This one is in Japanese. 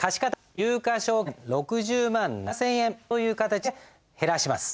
有価証券６０万７，０００円という形で減らします。